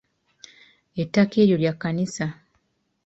Ettaka eryo lya kkanisa